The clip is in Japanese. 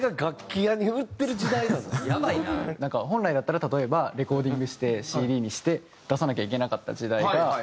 なんか本来だったら例えばレコーディングしてＣＤにして出さなきゃいけなかった時代が。